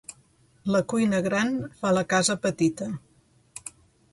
La cuina gran fa la casa petita.